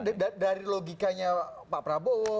dari logikanya pak prabowo